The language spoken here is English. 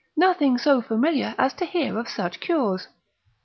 Nothing so familiar as to hear of such cures.